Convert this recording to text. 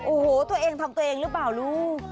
โอ้โหตัวเองทำตัวเองหรือเปล่าลูก